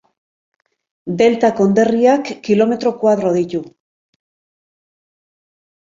Delta konderriak kilometro koadro ditu.